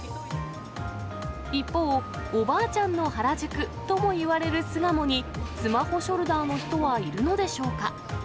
一方、おばあちゃんの原宿ともいわれる巣鴨に、スマホショルダーの人はいるのでしょうか。